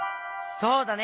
そうだね。